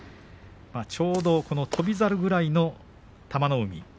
ちょうど翔猿ぐらいの玉の海。